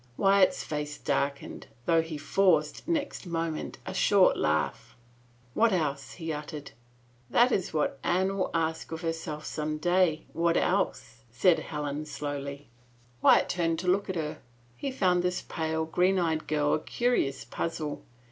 Wyatt*s face darkened, though he forced, next moment, a short laugh. " What else ?" he uttered. " That is what Anne will ask of herself some day — what else ?" said Helen slowly. Wyatt turned to look at her. He found this pale, green eyed girl a curious puzzle.